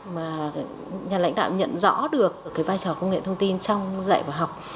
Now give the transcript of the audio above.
mà nhà lãnh đạo nhận rõ được cái vai trò công nghệ thông tin trong dạy và học